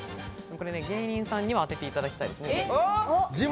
芸人さんに当てていただきたいですね。